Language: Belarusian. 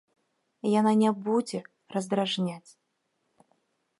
Яна не будзе раздражняць.